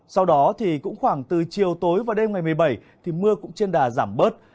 sau đó thì cũng khoảng từ chiều tối và đêm ngày một mươi bảy thì mưa cũng trên đà giảm bớt